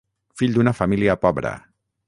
Fill d'una família pobra.